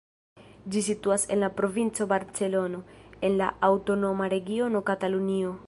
Ĝi situas en la Provinco Barcelono, en la aŭtonoma regiono Katalunio.